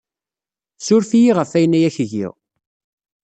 Ssuref-iyi ɣef wayen ay ak-giɣ.